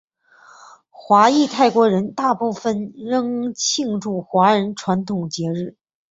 华裔泰国人大部分仍庆祝华人传统节日。